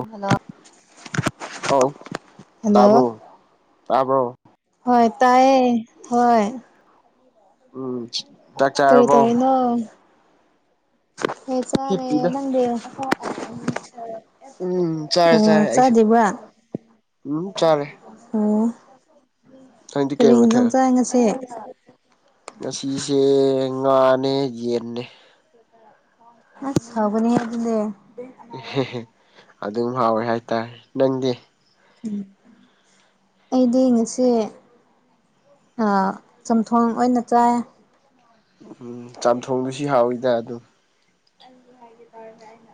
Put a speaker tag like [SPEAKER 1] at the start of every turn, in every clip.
[SPEAKER 1] hello
[SPEAKER 2] ꯑꯣ
[SPEAKER 1] hello
[SPEAKER 2] ꯇꯥꯕ꯭ꯔꯣ ꯇꯥꯕ꯭ꯔꯣ
[SPEAKER 1] ꯍꯣꯏ ꯇꯥꯏꯌꯦ ꯍꯣꯏ
[SPEAKER 2] ꯎꯝ ꯆꯥꯛ ꯆꯥꯔꯕꯣ
[SPEAKER 1] ꯑꯣꯟ ꯍꯣꯏ ꯆꯥꯔꯦ
[SPEAKER 2] ꯍꯤꯞꯄꯤꯗ
[SPEAKER 1] ꯅꯪꯗꯤ
[SPEAKER 2] ꯎꯝ ꯆꯥꯔꯦ ꯆꯥꯔꯦ
[SPEAKER 1] ꯑꯣ
[SPEAKER 2] ꯑꯩꯁꯨ
[SPEAKER 1] ꯆꯥꯗ꯭ꯔꯤꯕ꯭ꯔꯥ
[SPEAKER 2] ꯎꯝ ꯆꯥꯔꯦ
[SPEAKER 1] ꯑꯣ
[SPEAKER 2] ꯅꯪꯗꯤ ꯀꯩ
[SPEAKER 1] ꯀꯔꯤ
[SPEAKER 2] ꯃꯊꯦꯜ
[SPEAKER 1] ꯏꯡꯖꯥꯡ ꯆꯥꯏ ꯉꯥꯁꯤ
[SPEAKER 2] ꯉꯁꯤꯁꯦ ꯉꯥꯅꯦ ꯌꯦꯟꯅꯦ
[SPEAKER 1] [unintelligible] ꯑꯁ ꯍꯥꯎꯕꯅꯦ ꯑꯗꯨꯗꯤ
[SPEAKER 2] ꯑꯗꯨꯝ ꯍꯥꯎꯋꯦ ꯍꯥꯏꯇꯥꯔꯦ ꯅꯪꯗꯤ
[SPEAKER 1] ꯎꯝ ꯑꯩꯗꯤ ꯉꯁꯤ ꯆꯝꯊꯣꯡ ꯑꯣꯏꯅ ꯆꯥꯏ
[SPEAKER 2] ꯎꯝ ꯆꯥꯝꯊꯣꯡꯗꯨꯁꯤ ꯍꯥꯎꯋꯤꯗ ꯑꯗꯨꯝ
[SPEAKER 1] ꯑꯗꯨꯜ ꯍꯥꯏ ꯇꯔ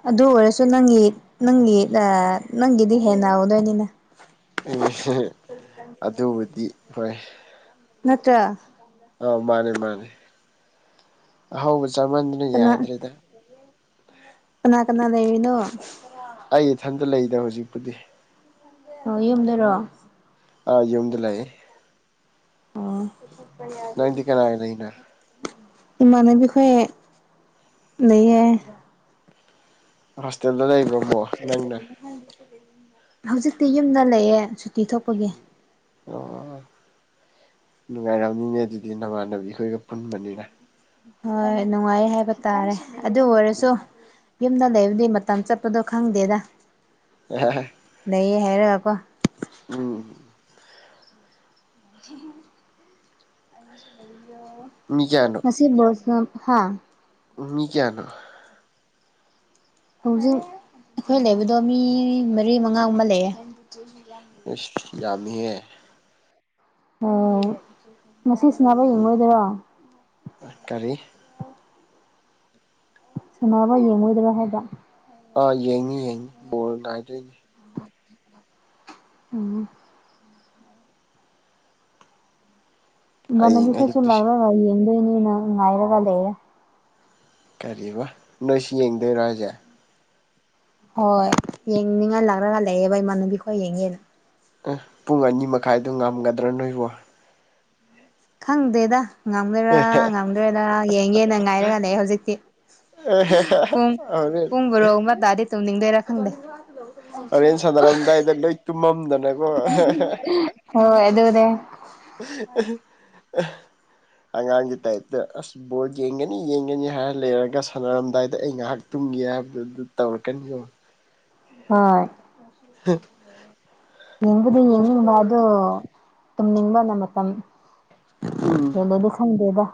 [SPEAKER 1] ꯑꯗꯨ ꯑꯣꯏꯔꯁꯨ ꯅꯪꯒꯤ ꯅꯪꯒꯤ ꯑꯥ ꯅꯪꯒꯤꯗꯤ ꯍꯦꯟꯅ ꯍꯧꯗꯣꯏꯅꯤꯅ
[SPEAKER 2] ꯑꯗꯨꯕꯨꯗꯤ ꯍꯣꯏ
[SPEAKER 1] ꯅꯠꯇ꯭ꯔ
[SPEAKER 2] ꯑꯧ ꯃꯥꯟꯅꯦ ꯃꯥꯟꯅꯦ ꯑꯍꯧꯕ ꯆꯥꯃꯟꯗꯅ
[SPEAKER 1] ꯀꯅꯥ
[SPEAKER 2] ꯌꯥꯗ꯭ꯔꯦꯗ
[SPEAKER 1] ꯀꯅꯥ ꯀꯅꯥꯂꯩꯅꯣ
[SPEAKER 2] ꯑꯩ ꯏꯊꯟꯇ ꯂꯩꯗ ꯍꯧꯖꯤꯛꯄꯨꯗꯤ
[SPEAKER 1] ꯑꯣ ꯌꯨꯝꯗꯔꯣ
[SPEAKER 2] ꯑꯥ ꯌꯨꯝꯗ ꯂꯩꯌꯦ
[SPEAKER 1] ꯑꯣ
[SPEAKER 2] ꯅꯪꯗꯤ ꯀꯅꯥꯒ ꯂꯩꯅꯣ
[SPEAKER 1] ꯏꯃꯟꯅꯕꯤꯈꯣꯏ ꯂꯩꯌꯦ
[SPEAKER 2] ꯍꯣꯁꯇꯦꯜꯗ ꯂꯩꯕ꯭ꯔꯥꯃꯣ ꯅꯪꯅ
[SPEAKER 1] ꯍꯧꯖꯤꯛꯇꯤꯗꯤ ꯌꯨꯝꯗ ꯂꯩꯌꯦ ꯁꯨꯇꯤ ꯊꯣꯛꯄꯒꯤ [unintelligible]
[SPEAKER 2] ꯑꯣ ꯅꯨꯡꯉꯥꯏꯔꯝꯅꯤꯅꯦ ꯑꯗꯨꯗꯤ ꯅꯃꯥꯟꯅꯕꯤ ꯈꯣꯏꯒ ꯄꯨꯟꯕꯅꯤꯅ
[SPEAKER 1] ꯍꯣꯏ ꯅꯨꯡꯉꯥꯏ ꯍꯥꯏꯕ ꯇꯥꯔꯦ ꯑꯗꯨ ꯑꯣꯏꯔꯁꯨ ꯌꯨꯝꯗ ꯂꯩꯕꯗꯤ ꯃꯇꯝ ꯆꯠꯄꯗꯣ ꯈꯪꯗꯦꯗ
[SPEAKER 2] [unintelligible]
[SPEAKER 1] ꯂꯩꯌꯦ ꯍꯥꯏꯔꯒꯀꯣ
[SPEAKER 2] ꯎꯝ
[SPEAKER 1] [unintelligible]
[SPEAKER 2] ꯃꯤ ꯀꯌꯥꯅꯣ
[SPEAKER 1] [unintelligible] ꯍꯥ
[SPEAKER 2] ꯎꯝ ꯃꯤ ꯀꯌꯥꯅꯣ
[SPEAKER 1] ꯍꯧꯖꯤꯛ ꯑꯩꯈꯣꯏ ꯂꯩꯕꯗꯣ ꯃꯤ ꯃꯔꯤ ꯃꯉꯥ ꯒꯨꯝꯕ ꯂꯩꯌꯦ [unintelligible]
[SPEAKER 2] ꯏꯁ ꯌꯥꯝꯃꯤꯍꯦ
[SPEAKER 1] ꯍꯣꯏ ꯉꯁꯤ ꯁꯥꯟꯅꯕ
[SPEAKER 2] ꯎꯝ
[SPEAKER 1] ꯌꯦꯡꯉꯣꯏꯗꯣꯔꯣ
[SPEAKER 2] ꯀꯔꯤ
[SPEAKER 1] ꯁꯟꯅꯕ ꯌꯦꯡꯉꯣꯏꯗ꯭ꯔꯥ ꯍꯥꯏꯕ
[SPEAKER 2] ꯑꯥ ꯌꯦꯡꯅꯤ ꯌꯦꯡꯅꯤ ꯕꯣꯜ ꯉꯥꯏꯗꯣꯏꯅꯤ
[SPEAKER 1] ꯎꯝ ꯏꯃꯥꯟꯅꯕꯤ
[SPEAKER 2] ꯍꯌꯦꯡ
[SPEAKER 1] ꯈꯁꯨ
[SPEAKER 2] ꯑꯌꯨꯛꯇꯁꯨ
[SPEAKER 1] ꯉꯥꯏꯔꯒ ꯌꯦꯡꯗꯣꯏꯅꯤꯅ ꯉꯥꯏꯔꯒ ꯂꯩꯔꯦ
[SPEAKER 2] ꯀꯔꯤꯕ ꯅꯣꯏꯁꯨ ꯌꯦꯡꯗꯣꯏꯔꯣ ꯍꯥꯏꯁꯦ
[SPEAKER 1] ꯍꯣꯏ ꯌꯦꯡꯅꯤꯡꯉꯥꯏ ꯂꯥꯛꯂꯒ ꯂꯩꯌꯦꯕ ꯏꯃꯥꯟꯅꯕꯤ ꯈ ꯌꯦꯡꯉꯦꯅ
[SPEAKER 2] ꯄꯨꯡ ꯑꯅꯤ ꯃꯈꯥꯏꯗꯣ ꯉꯝꯒꯗ꯭ꯔꯥ ꯅꯣꯏꯕ
[SPEAKER 1] ꯈꯪꯗꯦꯗ ꯉꯝꯒꯔꯔ ꯉꯝꯗꯣꯏꯔꯔꯥ ꯌꯦꯡꯒꯦꯅ ꯉꯥꯏꯔꯒ ꯂꯩ ꯍꯧꯖꯤꯛꯇꯤ ꯄꯨꯡ
[SPEAKER 2] ꯍꯣꯔꯦꯟ
[SPEAKER 1] ꯄꯨꯡ ꯕꯣꯔꯣ ꯑꯃ ꯇꯥꯗꯤ ꯇꯧꯅꯤꯡꯗꯣꯏꯔꯥ ꯈꯪꯗꯦ
[SPEAKER 2] ꯍꯣꯔꯦꯟ ꯁꯥꯟꯅꯔꯝꯗꯥꯏꯗ ꯂꯣꯏ ꯇꯨꯝꯃꯝꯗꯅꯀꯣ
[SPEAKER 1] ꯍꯣꯏ ꯑꯗꯨꯅꯦ
[SPEAKER 2] ꯑꯉꯥꯡꯒꯤ ꯇꯥꯏꯞꯇ ꯐꯕꯣꯜ ꯌꯦꯡꯒꯅꯤ ꯌꯦꯡꯒꯅꯤ ꯍꯥꯏꯔ ꯂꯩꯔꯒ ꯁꯥꯟꯅꯔꯝꯗꯥꯏꯗ ꯑꯩ ꯉꯥꯏꯍꯥꯛ ꯇꯨꯝꯒꯦ ꯍꯥꯏꯕꯗꯨ ꯑꯗꯨ ꯇꯧꯔꯛꯀꯅꯤꯕ
[SPEAKER 1] ꯍꯣꯏ
[SPEAKER 2] ꯍ
[SPEAKER 1] ꯌꯦꯡꯕꯗꯤ ꯌꯦꯡꯅꯤꯡꯕ ꯑꯗꯨꯣ ꯇꯨꯝꯅꯤꯡꯕꯅ ꯃꯇꯝ
[SPEAKER 2] ꯎꯝ
[SPEAKER 1] ꯀꯩꯅꯣꯗꯨ ꯈꯪꯗꯔꯦꯗ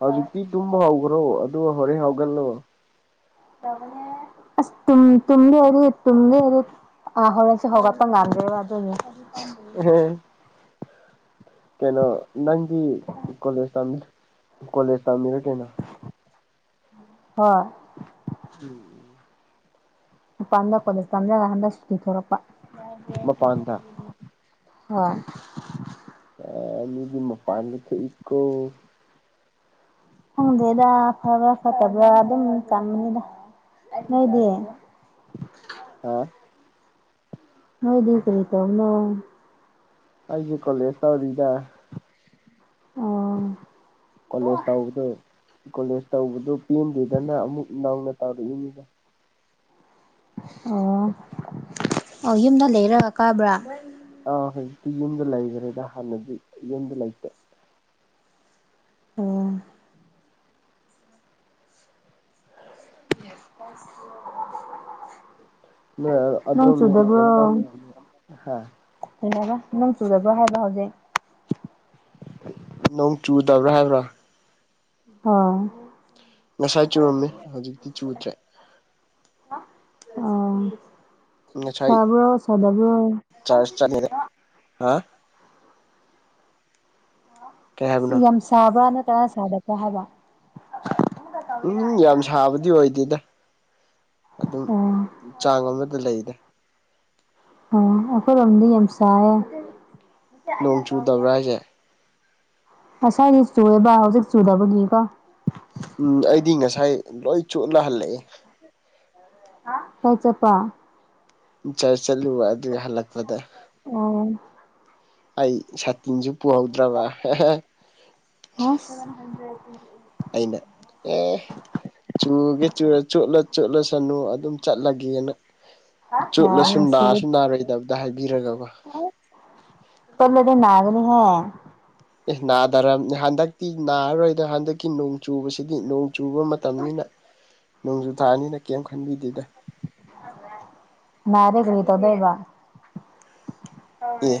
[SPEAKER 2] ꯍꯧꯖꯤꯛꯇꯤ ꯇꯨꯝꯕ ꯍꯧꯈ꯭ꯔꯣ ꯑꯗꯣ ꯍꯣꯔꯦꯟ ꯍꯥꯎꯒꯜꯂꯣ
[SPEAKER 1] [inaudible] ꯑꯁ ꯇꯨꯝ ꯇꯨꯝ ꯑꯗꯤ ꯇꯨꯝ ꯍꯥꯏꯗꯤ ꯑ ꯍꯣꯔꯦꯟꯁꯤꯦ ꯍꯧꯒꯠꯄ ꯉꯝꯗꯦꯕ ꯑꯗꯨꯅꯦ
[SPEAKER 2] ꯏꯍꯦ ꯀꯩꯅꯣ ꯅꯪꯗꯤ ꯀꯣꯂꯦꯖ ꯀꯣꯂꯦꯖ ꯇꯝꯕꯤꯔ ꯀꯩꯅꯣ
[SPEAKER 1] ꯍ
[SPEAKER 2] ꯎꯝ
[SPEAKER 1] [unintelligible] ꯀꯣꯂꯦꯖ [unintelligible] ꯍꯗꯛ ꯁꯨꯇꯤ ꯊꯣꯔꯛꯄꯥ
[SPEAKER 2] ꯃꯄꯥꯟꯗ
[SPEAKER 1] ꯍꯣꯏ
[SPEAKER 2] ꯑꯦ ꯅꯣꯏꯗꯤ ꯃꯄꯥꯟꯗ ꯊꯣꯛ ꯏꯀꯣ
[SPEAKER 1] ꯈꯪꯗꯦꯗ ꯐꯕ꯭ꯔꯥ ꯐꯠꯇꯕ꯭ꯔꯥ ꯑꯗꯨꯝ ꯇꯝꯃꯦꯗ ꯅꯣꯏꯗꯤ
[SPEAKER 2] ꯍꯥ
[SPEAKER 1] ꯅꯣꯏꯗꯤ ꯀꯔꯤ ꯇꯧꯕꯅꯣ
[SPEAKER 2] ꯑꯩꯗꯤ ꯀꯣꯂꯦꯖ ꯇꯧꯔꯤꯗ
[SPEAKER 1] ꯑꯣ
[SPEAKER 2] ꯀꯣꯂꯦꯖ ꯇꯧꯕꯗꯣ ꯀꯣꯂꯦꯖ ꯇꯧꯕꯗꯨꯣ ꯄꯦꯟꯗꯗꯅ ꯑꯃꯨꯛ ꯅꯧꯅ ꯇꯧꯔꯛꯏꯅꯤ
[SPEAKER 1] ꯑꯣ ꯑꯣ ꯌꯨꯝꯗ ꯂꯩꯔꯒ ꯀꯥꯕ꯭ꯔꯥ
[SPEAKER 2] ꯑꯥ ꯍꯧꯖꯤꯛꯇꯤ ꯌꯨꯝꯗ ꯂꯩꯈ꯭ꯔꯦꯗ ꯍꯥꯟꯅꯗꯤ ꯌꯨꯝꯗ ꯂꯩꯇꯦ
[SPEAKER 1] ꯑꯣ [inaudible] ꯅꯣꯡ
[SPEAKER 2] ꯑꯗꯣ ꯑꯗꯣ [unintelligible]
[SPEAKER 1] ꯑꯗꯨꯅ ꯅꯪ ꯆꯨꯔꯕ꯭ꯔꯣ ꯍꯥꯏꯕ ꯍꯧꯖꯤꯛ
[SPEAKER 2] ꯅꯣꯡ ꯆꯨꯗꯕ꯭ꯔꯥ ꯍꯥꯏꯕ꯭ꯔꯥ
[SPEAKER 1] ꯑꯣ
[SPEAKER 2] ꯉꯁꯥꯏ ꯆꯨꯔꯝꯃꯦ ꯍꯧꯖꯤꯛꯇꯤ ꯆꯨꯗ꯭ꯔꯦ
[SPEAKER 1] ꯑꯣ ꯁꯥꯕ꯭ꯔꯣ ꯁꯗꯕ꯭ꯔꯣ
[SPEAKER 2] ꯆꯔꯁ [unintelligible] ꯍꯥ ꯀꯩ ꯍꯥꯏꯕꯅꯣ
[SPEAKER 1] ꯌꯥꯝ ꯁꯥꯕ꯭ꯔ ꯅꯠꯇ꯭ꯔꯒ ꯁꯥꯗꯕ꯭ꯔꯥ ꯍꯥꯏꯕ
[SPEAKER 2] ꯎꯝ ꯌꯥꯝ ꯁꯥꯕꯗꯤ ꯑꯣꯏꯗꯦꯗ ꯑꯗꯨꯝ
[SPEAKER 1] ꯑꯣ
[SPEAKER 2] ꯆꯥꯡ ꯑꯃꯗ ꯂꯩꯗ
[SPEAKER 1] ꯑꯣ ꯑꯩꯈꯣꯏꯔꯣꯝꯗꯤ ꯌꯥꯝ ꯁꯥꯏꯌꯦ
[SPEAKER 2] ꯅꯣꯡ ꯆꯨꯗꯕ꯭ꯔꯥ ꯍꯥꯏꯁꯦ
[SPEAKER 1] ꯉꯁꯥꯏꯗꯤ ꯆꯨꯌꯦꯕ ꯍꯧꯖꯤꯛ ꯆꯨꯗꯕꯒꯤꯀꯣ
[SPEAKER 2] ꯎꯝ ꯑꯩꯗꯤ ꯉꯁꯥꯏ ꯂꯣꯏ ꯆꯣꯠꯂ ꯍꯜꯂꯛꯑꯦ
[SPEAKER 1] ꯀꯣꯛ ꯆꯣꯠꯄꯔ
[SPEAKER 2] ꯆꯔ ꯆꯠꯂꯨꯕ ꯑꯗꯨꯒꯤ ꯍꯜꯂꯛꯄꯗ
[SPEAKER 1] ꯑꯣ
[SPEAKER 2] ꯑꯩ ꯁꯥꯇꯤꯟꯁꯨ ꯄꯨꯍꯧꯗ꯭ꯔꯕ
[SPEAKER 1] ꯑꯁ
[SPEAKER 2] ꯑꯩꯅ ꯑꯦ ꯆꯨꯒꯦ ꯆꯨꯔ ꯆꯣꯠꯂ ꯆꯣꯠꯂꯁꯅꯨ ꯑꯗꯨꯝ ꯆꯠꯂꯒꯦꯅ ꯆꯨꯠꯂꯁꯨ ꯅꯥꯔꯁꯨ ꯅꯥꯔꯣꯏꯗꯕꯗ ꯍꯥꯏꯕꯤꯔꯒꯀꯣ
[SPEAKER 1] ꯆꯣꯠꯂꯗꯤ ꯅꯥꯒꯅꯤ ꯍꯦ
[SPEAKER 2] ꯑꯦ ꯅꯥꯗꯔꯕꯅꯦ ꯍꯟꯗꯛꯇꯤ ꯅꯥꯔꯔꯣꯏꯗꯣ ꯍꯟꯗꯛꯀꯤ ꯅꯨꯡ ꯆꯨꯕꯁꯤꯗꯤ ꯅꯣꯡ ꯆꯨꯕ ꯃꯇꯝꯅꯤꯅ ꯅꯣꯡꯖꯨ ꯊꯥꯅꯤꯅ ꯀꯩꯝ ꯈꯟꯕꯤꯗꯦꯗ
[SPEAKER 1] ꯅꯔꯦ ꯀꯔꯤ ꯇꯧꯗꯣꯢꯕ
[SPEAKER 2] ꯑꯦ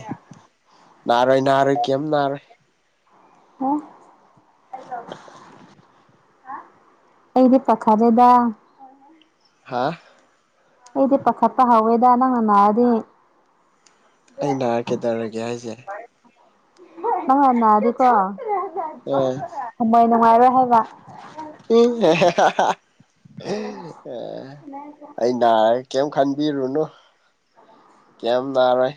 [SPEAKER 2] ꯅꯥꯔꯣꯏ ꯅꯥꯔꯣꯏ ꯀꯩꯝ ꯅꯥꯔꯣꯏ
[SPEAKER 1] ꯑꯦ ꯑꯩꯗꯤ ꯄꯈꯠꯔꯦꯗ
[SPEAKER 2] ꯍꯥꯥ
[SPEAKER 1] ꯑꯩꯗꯤ ꯄꯥꯈꯠꯄ ꯍꯧꯎꯋꯦꯗ ꯅꯪꯅ ꯅꯥꯔꯗꯤ
[SPEAKER 2] ꯑꯩ ꯅꯥꯔꯛꯀꯦ ꯇꯧꯔꯒꯦ ꯍꯥꯏꯁꯦ
[SPEAKER 1] ꯑꯟꯅꯗꯤꯀꯣ [unintelligible] ꯊꯃꯣꯏ ꯅꯨꯡꯉꯥꯏꯔꯣꯏ ꯍꯥꯏꯕ
[SPEAKER 2] ꯎ ꯑꯩ ꯀꯩꯝ ꯈꯟꯕꯤꯔꯨꯅꯨ ꯀꯌꯥꯝ ꯅꯥꯔꯣꯏ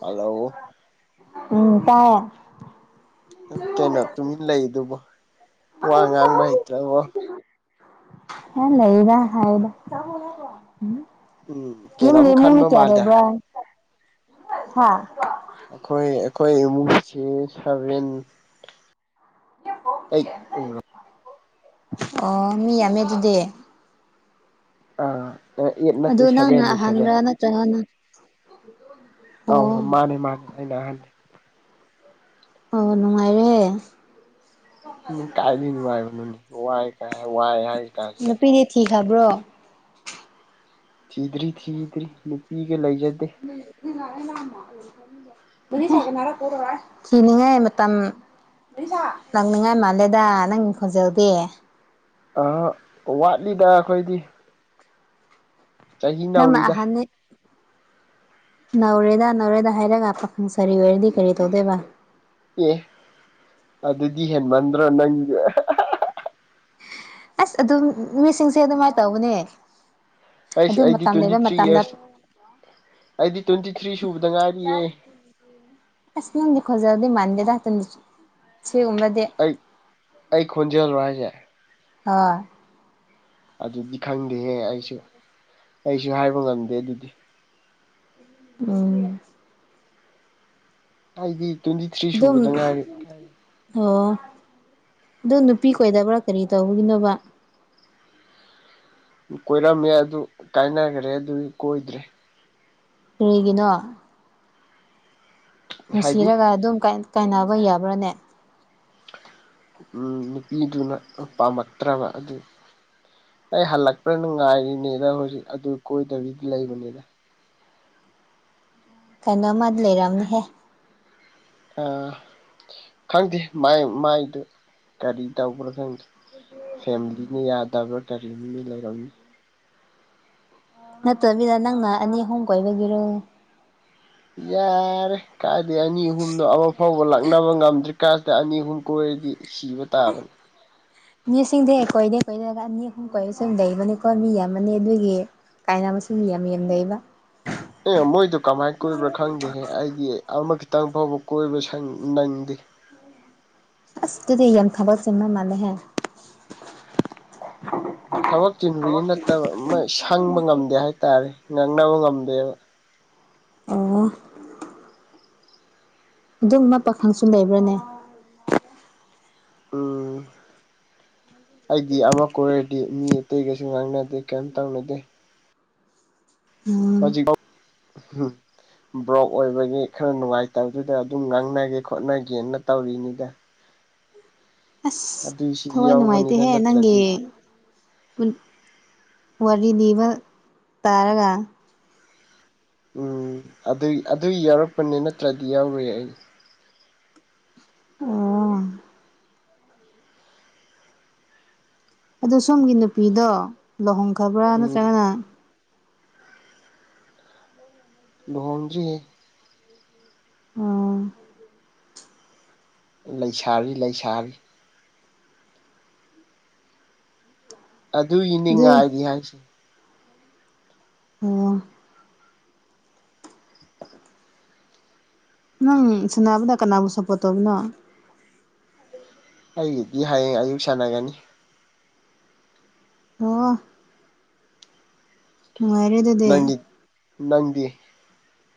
[SPEAKER 2] ꯍꯜꯂꯣ
[SPEAKER 1] ꯎꯝ ꯇꯥꯏ
[SPEAKER 2] ꯀꯩꯅꯣ ꯇꯨꯃꯤꯟꯅ ꯂꯩꯗꯨꯕꯣ
[SPEAKER 1] ꯑ ꯊꯣꯟ ꯆ [unintelligible] ꯍ ꯂꯩꯕ ꯍꯥꯏꯥꯏꯕ [unintelligible]
[SPEAKER 2] ꯎꯝ
[SPEAKER 1] ꯌꯥꯝꯦꯝ
[SPEAKER 2] ꯀꯩꯅꯣꯝ
[SPEAKER 1] ꯅꯦꯃꯨꯅꯦ
[SPEAKER 2] ꯈꯟꯕ ꯃꯥꯜꯂꯦ
[SPEAKER 1] ꯀꯔꯦꯕ ꯍꯥ [unintelligible]
[SPEAKER 2] ꯑꯩꯈꯣꯏ ꯑꯩꯈꯣꯏ ꯏꯃꯨꯡꯁꯤ ꯁꯚꯦꯟ ꯀꯩ ꯎ
[SPEAKER 1] ꯑꯣ ꯃꯤ ꯌꯥꯝꯃꯦ ꯑꯗꯨꯗꯤ
[SPEAKER 2] ꯑꯥ ꯑꯩꯠ ꯅꯠꯇꯦ
[SPEAKER 1] ꯑꯗꯨ ꯅꯪꯅ
[SPEAKER 2] ꯁꯚꯦꯟꯅꯦ ꯁꯚꯦꯟ
[SPEAKER 1] ꯑꯍꯥꯟꯕ꯭ꯔꯥ ꯅꯠꯇ꯭ꯔꯒꯅ
[SPEAKER 2] ꯑꯧ
[SPEAKER 1] ꯑꯣ
[SPEAKER 2] ꯃꯥꯅꯦ ꯃꯥꯅꯦ ꯑꯩꯅ ꯑꯍꯟꯅꯦ
[SPEAKER 1] ꯑꯣ ꯅꯨꯡꯉꯥꯏꯔꯦ
[SPEAKER 2] ꯀꯥꯏ ꯅꯨꯡꯉꯥꯏ ꯋꯥꯏ ꯀꯥꯏ ꯋꯥꯏ ꯍꯥꯏ ꯀꯥꯏꯁꯤ
[SPEAKER 1] ꯀꯤ ꯍꯥꯏꯕ꯭ꯔꯣ
[SPEAKER 2] ꯊꯤꯗ꯭ꯔꯤ ꯊꯤꯗ꯭ꯔꯤ ꯅꯨꯄꯤꯒ ꯂꯩꯖꯗꯦ
[SPEAKER 1] ꯑꯗꯨꯅ ꯂꯃ [unintelligible] ꯅꯤꯡꯉꯦ ꯃꯝ [unintelligible] ꯂꯪꯅꯤꯡꯉꯥꯏ ꯃꯥꯜꯂꯦꯗ ꯅꯪ ꯈꯣꯟꯖꯦꯜꯗꯤ
[SPEAKER 2] ꯋꯥꯠꯂꯤꯗ ꯑꯩꯈꯣꯏꯗꯤ ꯆꯍꯤ
[SPEAKER 1] ꯅꯪꯅ
[SPEAKER 2] ꯅꯧꯔꯤꯗ
[SPEAKER 1] ꯑꯍ ꯅꯧꯔꯦꯗ ꯅꯧꯔꯦꯗ ꯍꯥꯏꯔꯒ ꯄꯥꯈꯪ ꯁꯥꯔꯤ ꯑꯣꯏꯔꯗꯤ ꯀꯔꯤ ꯇꯧꯗꯣꯏꯕ
[SPEAKER 2] ꯑꯦ ꯑꯗꯨꯗꯤ ꯍꯦꯟꯃꯟꯗ꯭ꯔꯣ ꯅꯪ
[SPEAKER 1] ꯑꯁ ꯑꯗꯨꯝ ꯃꯤꯁꯤꯡꯁꯦ ꯑꯗꯨꯃꯥꯏꯅ ꯇꯧꯕꯅꯦ
[SPEAKER 2] ꯑꯩꯁ
[SPEAKER 1] ꯑꯗꯨ
[SPEAKER 2] ꯑꯩꯗꯤ
[SPEAKER 1] ꯃꯇꯝ
[SPEAKER 2] ꯇ꯭ꯋꯦꯟꯇꯤ
[SPEAKER 1] ꯂꯩꯕ
[SPEAKER 2] ꯊ꯭ꯔꯤ
[SPEAKER 1] ꯃꯇꯝꯗ
[SPEAKER 2] ꯏꯔꯁ ꯑꯩꯗꯤ ꯇ꯭ꯋꯦꯟꯇꯤ ꯊ꯭ꯔꯤ ꯁꯨꯕꯗ ꯉꯥꯏꯔꯤꯌꯦ
[SPEAKER 1] ꯑꯁ ꯅꯗꯤ ꯈꯣꯖꯗꯤ ꯃꯟꯗꯦꯗ ꯇ꯭ꯋꯦꯟꯇꯤ ꯊ꯭ꯔꯤ ꯈꯨꯝꯕꯗꯤ
[SPEAKER 2] ꯑꯩ ꯑꯩ ꯈꯣꯟꯖꯦꯜꯂꯣ ꯍꯥꯏꯁꯦ
[SPEAKER 1] ꯍꯣꯏ
[SPEAKER 2] ꯑꯗꯨꯗꯤ ꯈꯪꯗꯦꯍꯦ ꯑꯩꯁꯨ ꯑꯩꯁꯨ ꯍꯥꯏꯕ ꯉꯝꯗꯦ ꯑꯗꯨꯗꯤ
[SPEAKER 1] ꯎꯝ
[SPEAKER 2] ꯑꯩꯗꯤ ꯇ꯭ꯋꯦꯟꯇꯤ ꯊ꯭ꯔꯤ
[SPEAKER 1] ꯑꯗꯨꯝ
[SPEAKER 2] ꯁꯨꯕꯗ ꯉꯥꯏꯔꯤ
[SPEAKER 1] ꯑꯣ ꯑꯗꯨ ꯅꯨꯄꯤ ꯀꯣꯏꯗꯕ꯭ꯔꯥ ꯀꯔꯤ ꯇꯧꯕꯒꯤꯅꯣꯕ
[SPEAKER 2] ꯀꯣꯏꯔꯝꯃꯦ ꯑꯗꯨ ꯀꯥꯏꯅꯈ꯭ꯔꯦ ꯑꯗꯨꯒꯤ ꯀꯣꯏꯗ꯭ꯔꯦ
[SPEAKER 1] ꯀꯔꯤꯒꯤꯅꯣ
[SPEAKER 2] ꯍꯥꯏꯗꯤ
[SPEAKER 1] ꯅꯨꯡꯁꯤꯔꯒ ꯑꯗꯨꯝ ꯀꯥꯏꯅꯕ ꯌꯥꯕ꯭ꯔꯥꯅꯦ
[SPEAKER 2] ꯎꯝ ꯅꯨꯄꯤꯗꯨꯅ ꯄꯥꯝꯃꯛꯇ꯭ꯔꯕ ꯑꯗꯨꯒꯤ ꯑꯩ ꯍꯜꯂꯛꯄ꯭ꯔꯅꯥ ꯅꯉꯥꯏꯔꯤꯅꯤꯅ ꯍꯧꯖꯤꯛ ꯑꯗꯨ ꯀꯣꯏꯗꯕꯤꯗ ꯂꯩꯕꯅꯤꯗ
[SPEAKER 1] ꯀꯩꯅꯣꯃꯗꯤ ꯂꯩꯔꯝꯅꯤꯍꯦ
[SPEAKER 2] ꯑ ꯈꯪꯗꯦ ꯃꯥꯏꯗꯨ ꯀꯔꯤ ꯇꯧꯕ꯭ꯔꯣ ꯈꯪꯗꯦ
[SPEAKER 1] [inaudible]
[SPEAKER 2] ꯐꯦꯃꯤꯂꯤꯅꯤ ꯌꯥꯗꯥ ꯕ꯭ꯔꯥ ꯀꯔꯤꯝꯗꯤ ꯂꯩꯔꯝꯅꯤ
[SPEAKER 1] ꯅꯠꯇ꯭ꯔꯕꯤꯗ ꯅꯪꯅ ꯑꯅꯤꯍꯣꯡ ꯀꯣꯏꯕꯒꯤꯔꯣ
[SPEAKER 2] ꯌꯥꯔꯦ ꯀꯥꯏꯗꯤ ꯑꯅꯤ ꯑꯍꯨꯝꯅꯣ ꯑꯃ ꯐꯥꯎꯕ ꯂꯥꯛꯅꯕ ꯉꯝꯗ꯭ꯔꯤ ꯀꯥꯟꯁꯤꯗ ꯑꯅꯤ ꯑꯍꯨꯝ ꯀꯣꯏꯔꯗꯤ ꯁꯤꯕ ꯇꯥꯕꯅꯤ
[SPEAKER 1] ꯃꯤꯁꯤꯡꯗꯤ ꯑꯩ ꯀꯣꯏꯗꯦ ꯀꯣꯏꯗꯔꯒ ꯑꯅꯤ ꯑꯍꯨꯝ ꯀꯣꯏ ꯁꯨꯝ ꯂꯩꯕꯅꯤꯀꯣ ꯃꯤ ꯑꯃꯅꯤ ꯑꯗꯨꯒꯤ ꯀꯥꯏꯅꯕ ꯃꯁꯤꯡꯕꯨ ꯌꯥꯝ ꯌꯦꯟꯗꯩꯕ
[SPEAKER 2] ꯑꯦ ꯃꯣꯏꯗꯨ ꯀꯃꯥꯏ ꯀꯣꯏꯕ꯭ꯔꯥ ꯈꯪꯗꯦꯍꯦ ꯑꯩꯗꯤ ꯑꯃ ꯈꯤꯇꯪ ꯐꯥꯎꯕ ꯀꯣꯏꯕ꯭ꯔꯥ ꯅꯪꯗꯦ
[SPEAKER 1] ꯑꯁ ꯑꯗꯨꯗꯤ ꯌꯥꯝ ꯊꯕꯛ ꯆꯤꯟꯕ ꯃꯥꯂꯦꯍꯦ
[SPEAKER 2] ꯊꯕꯛ ꯆꯤꯟꯕꯒꯤ ꯅꯠꯇꯕ ꯑꯃ ꯁꯪꯕ ꯉꯝꯗꯦ ꯍꯥꯏꯇꯥꯔꯦ ꯉꯥꯡꯅꯕ ꯉꯝꯗꯦꯕ
[SPEAKER 1] ꯑꯣ ꯑꯗꯨꯝꯕ ꯄꯥꯈꯪꯁꯨ ꯂꯩꯕ꯭ꯔꯣꯅꯦ
[SPEAKER 2] ꯑꯝ ꯑꯩꯗꯤ ꯑꯃ ꯀꯣꯏꯔꯗꯤ ꯃꯤ ꯑꯇꯩꯒꯁꯨ ꯉꯥꯡꯅꯗꯦ ꯀꯩꯝ ꯇꯧꯅꯗꯦ
[SPEAKER 1] ꯎꯝ
[SPEAKER 2] ꯍꯧꯖꯤꯝ [unintelligible] ꯕ꯭ꯔꯣꯛ ꯑꯣꯏꯕꯒꯤ ꯈꯔ ꯅꯨꯡꯉꯥꯏꯇꯕꯗꯨꯗ ꯑꯗꯨꯝ ꯉꯥꯡꯅꯒꯦ ꯈꯣꯠꯅꯒꯦꯅ ꯇꯧꯔꯤꯅꯤꯗ
[SPEAKER 1] ꯑꯁ
[SPEAKER 2] ꯑꯗꯨꯏꯁꯤ
[SPEAKER 1] ꯊꯋꯥꯏ
[SPEAKER 2] ꯌꯥꯎꯕꯅꯤꯗ
[SPEAKER 1] ꯅꯨꯡꯉꯥꯏꯇꯦꯍꯦ ꯅꯪꯒꯤ
[SPEAKER 2] ꯅꯠꯇ꯭ꯔꯗꯤ
[SPEAKER 1] ꯋꯥꯔꯤ ꯂꯤꯕ ꯇꯥꯔꯒ
[SPEAKER 2] ꯎꯝ ꯑꯗꯨꯏ ꯑꯗꯨꯏ ꯌꯥꯎꯔꯛꯄꯅꯦ ꯅꯠꯇ꯭ꯔꯗꯤ ꯌꯥꯎꯔꯨꯏ ꯑꯩ
[SPEAKER 1] ꯑꯣ ꯑꯗꯣ ꯁꯣꯝꯒꯤ ꯅꯨꯄꯤꯗꯣ ꯂꯨꯍꯣꯡꯈꯕ꯭ꯔꯥ
[SPEAKER 2] ꯎꯝ
[SPEAKER 1] ꯅꯠꯇ꯭ꯔꯒꯅ
[SPEAKER 2] ꯂꯨꯍꯣꯡꯗ꯭ꯔꯤꯍꯦ
[SPEAKER 1] ꯎꯝ
[SPEAKER 2] ꯂꯩ ꯁꯥꯔꯤ ꯂꯩ ꯁꯥꯔꯤ ꯑꯗꯨꯒꯤ
[SPEAKER 1] ꯑꯗꯨ
[SPEAKER 2] ꯏꯅꯤꯡꯉꯥꯏꯗꯤ ꯍꯥꯏꯁꯦ
[SPEAKER 1] ꯑꯣ ꯅꯪ ꯁꯅꯥꯕꯗ ꯀꯅꯥꯕꯨ ꯁꯄꯣꯠ ꯇꯧꯕꯅꯣ
[SPEAKER 2] ꯑꯩꯒꯤꯗꯤ ꯍꯌꯦꯡ ꯑꯌꯨꯛ ꯁꯥꯟꯅꯒꯅꯤ
[SPEAKER 1] ꯑꯣ ꯅꯨꯡꯉꯥꯏꯔꯦ ꯑꯗꯨꯗꯤ
[SPEAKER 2] ꯅꯪ ꯅꯪꯗꯤ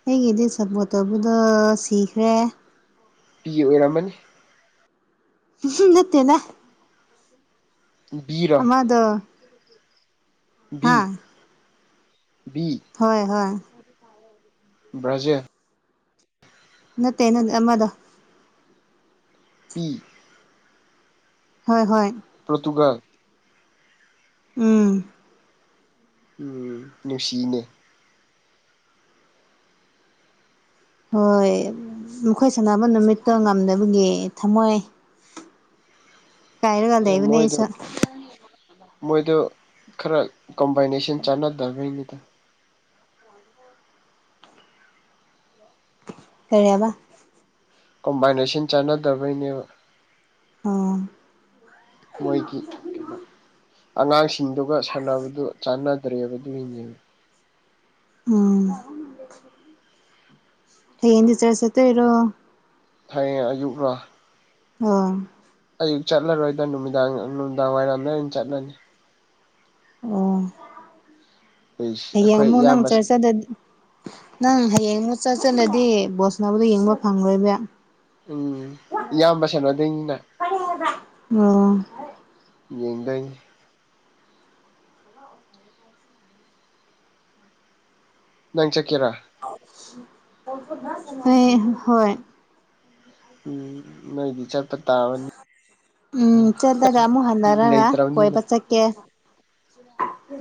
[SPEAKER 1] ꯑꯩꯒꯤꯗꯤ ꯁꯞꯄꯣꯔꯠꯇꯧꯕꯗꯣ ꯁꯤꯈ꯭ꯔꯦ
[SPEAKER 2] ꯄꯤ ꯑꯣꯏꯔꯝꯃꯅꯤ
[SPEAKER 1] ꯅꯠꯇꯦꯅ
[SPEAKER 2] ꯕꯤꯔꯣ
[SPEAKER 1] ꯑꯃꯗ
[SPEAKER 2] ꯕꯤꯕꯤ
[SPEAKER 1] ꯍꯣꯏ ꯍꯣꯏ
[SPEAKER 2] ꯕ꯭ꯔꯥꯖꯤꯜ
[SPEAKER 1] ꯅꯠꯇꯦ ꯅꯠ ꯑꯃꯗ
[SPEAKER 2] ꯄꯤ
[SPEAKER 1] ꯍꯣꯏ ꯍꯣꯏ
[SPEAKER 2] ꯄꯣꯔꯇꯨꯒꯜ
[SPEAKER 1] ꯎꯝ
[SPEAKER 2] ꯎꯝ ꯅꯨꯡꯁꯤꯅꯦ
[SPEAKER 1] ꯍꯣꯏ ꯃꯈꯣꯏ ꯁꯥꯟꯅꯕ ꯅꯨꯃꯤꯠꯇꯣ ꯉꯝꯅꯕꯒꯤ ꯊꯝꯃꯣꯏ
[SPEAKER 2] [unintelligible] ꯑꯦ ꯃꯣꯏꯗ
[SPEAKER 1] ꯑꯩꯁꯨ
[SPEAKER 2] ꯃꯣꯏꯗꯣ ꯈꯔ ꯀꯝꯕꯥꯏꯅꯦꯁꯟ ꯆꯥꯟꯅꯗꯕꯅꯤꯗ
[SPEAKER 1] ꯀꯔꯤꯕ
[SPEAKER 2] ꯀꯣꯝꯕꯥꯏꯅꯦꯁꯟ ꯆꯥꯟꯅꯗꯕꯩꯅꯦꯕ
[SPEAKER 1] ꯑꯥ
[SPEAKER 2] ꯃꯣꯏꯒꯤ ꯀꯩꯅꯣ ꯑꯉꯥꯡꯁꯤꯡꯗꯨꯒ ꯁꯥꯟꯅꯕꯗꯨ ꯆꯥꯟꯅꯗ꯭ꯔꯦꯕꯗꯨ ꯗꯨꯏꯅꯦꯕ
[SPEAKER 1] ꯎꯝ ꯍꯌꯦꯛꯗꯤ ꯆꯔꯁ ꯆꯠꯇꯨꯏꯔꯣ
[SPEAKER 2] ꯍꯌꯦꯡ ꯑꯌꯨꯛꯂꯣ
[SPEAKER 1] ꯑꯥ
[SPEAKER 2] ꯑꯌꯨꯛ ꯆꯠꯂꯔꯣꯏꯗ ꯅꯨꯃꯤꯗꯥꯡ ꯅꯨꯡꯗꯥꯡ ꯋꯥꯏꯔꯝꯗ ꯑꯣꯏꯅ ꯆꯠꯂꯅꯤ
[SPEAKER 1] ꯑꯣ
[SPEAKER 2] ꯑꯩꯁ
[SPEAKER 1] ꯍꯌꯦꯡ
[SPEAKER 2] ꯑꯩꯈꯣꯏ
[SPEAKER 1] ꯑꯃꯨꯛ ꯅꯪ
[SPEAKER 2] ꯏꯌꯥꯝꯕ
[SPEAKER 1] ꯆꯠꯁꯆꯠꯇꯗꯤ ꯅꯪ ꯍꯌꯦꯡ ꯆꯠꯁꯆꯠꯂꯗꯤ ꯕꯣꯜꯁꯟꯅꯥꯕꯨꯗꯣ ꯌꯦꯡꯕ ꯐꯪꯉꯣꯏꯕ
[SPEAKER 2] ꯎꯝ ꯏꯌꯥꯝꯕ ꯁꯅꯣꯗꯣꯏꯅꯤꯅ
[SPEAKER 1] ꯑꯣ
[SPEAKER 2] ꯌꯦꯡꯗꯣꯏꯅꯦ
[SPEAKER 1] [unintelligible]
[SPEAKER 2] ꯅꯪ ꯆꯠꯀꯦꯔꯥ
[SPEAKER 1] ꯍ ꯍꯣꯏ
[SPEAKER 2] ꯎꯝ ꯅꯣꯏꯗꯤ ꯆꯠ
[SPEAKER 1] ꯎꯝ ꯆꯠꯂꯒ ꯑꯃꯨꯛ
[SPEAKER 2] ꯌꯨꯝ
[SPEAKER 1] ꯍꯟꯅꯔꯒ
[SPEAKER 2] ꯂꯩꯇ꯭ꯔꯕꯅꯤꯅ
[SPEAKER 1] ꯀꯣꯏꯕ ꯆꯠꯀꯦ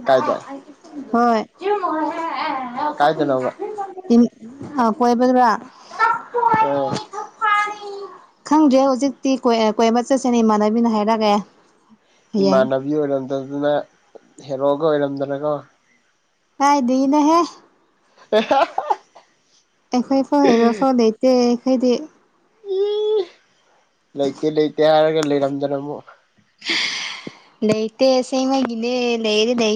[SPEAKER 2] ꯀꯥꯏꯗ
[SPEAKER 1] ꯍꯣꯏ
[SPEAKER 2] ꯀꯥꯏꯗꯅꯣꯕ
[SPEAKER 1] [unintelligible] ꯥ [unintelligible] ꯀꯣꯏꯕꯗ꯭ꯔꯥ
[SPEAKER 2] ꯑ
[SPEAKER 1] ꯈꯪꯗ꯭ꯔꯦ ꯍꯧꯖꯤꯛꯇꯤ ꯀꯣꯏ ꯀꯣꯏꯕ ꯆꯠꯁꯦꯅ ꯏꯃꯥꯟꯅꯕꯤꯅ ꯍꯥꯏꯔꯛꯒꯦ
[SPEAKER 2] ꯏꯃꯥꯟꯅꯕꯤ ꯑꯣꯏꯔꯝꯗꯕꯗꯅ ꯍꯦꯔꯣꯒ ꯑꯣꯏꯔꯝꯗꯅꯀꯣ
[SPEAKER 1] ꯀꯥꯏꯗꯩꯅꯣꯍꯦ
[SPEAKER 2] [unintelligible]
[SPEAKER 1] ꯑꯩꯈꯣꯏ ꯐꯧ ꯍꯥꯏꯔꯣꯐꯧ ꯂꯩꯇꯦ ꯑꯩꯈꯣꯏꯗꯤ
[SPEAKER 2] ꯏ ꯂꯩꯇꯦ ꯂꯩꯇꯦ ꯍꯥꯏꯔꯒ ꯂꯩꯔꯝꯗꯅ ꯑꯃꯨꯛ
[SPEAKER 1] ꯂꯩꯩꯇꯦ ꯑꯁꯦꯡꯕꯒꯤꯅꯦ [unintelligible]